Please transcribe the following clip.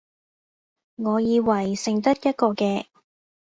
我以為剩得一個嘅